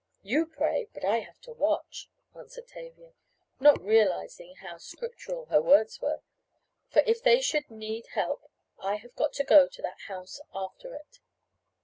"You pray, but I have to watch," answered Tavia, not realizing how scriptural her words were, "for if they should need help I have got to go to that house after it."